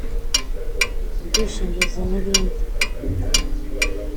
ubwishingizi n’ibindi